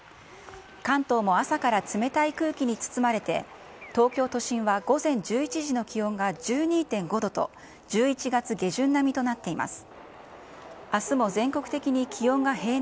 関東も朝から冷たい空気に包まれて、東京都心は午前１１時の気温が１２．５度と、１１月下旬並みとなっています。